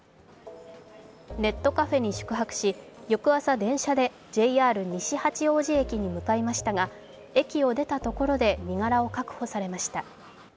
ネットカフェに宿泊し翌朝、電車でＪＲ西八王子駅に向かいましたが駅を出たところで身柄を確保されました。